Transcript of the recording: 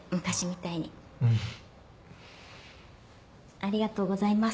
ありがとうございます。